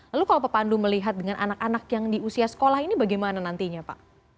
lalu kalau pak pandu melihat dengan anak anak yang di usia sekolah ini bagaimana nantinya pak